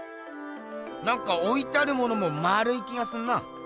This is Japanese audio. なんかおいてあるものもまるい気がすんな。